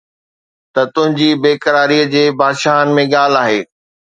ته تنهنجي بيقراري جي بادشاهن ۾ ڳالهه آهي